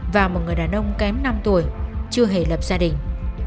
và một người đàn ông kém năm tuổi chưa hề lập gia đình